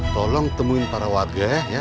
tolong temuin para warga